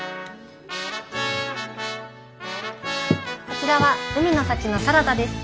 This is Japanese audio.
こちらは海の幸のサラダです。